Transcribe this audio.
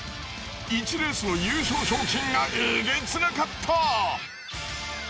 １レースの優勝賞金がえげつなかった。